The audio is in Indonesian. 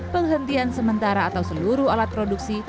penghentian sementara atau seluruh alat produksi